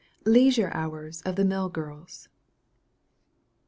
LEISURE HOURS OF THE MILL GIRLS.